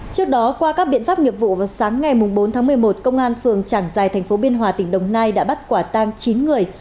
trước đó qua các biện pháp nghiệp vụ vào sáng ngày bốn tháng một mươi một công an phường trảng giài thành phố biên hòa tỉnh đồng nai đã bắt quả tang chín người